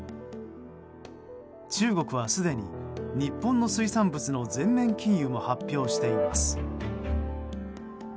中国は、すでに日本の水産物の全面禁輸も発表しています。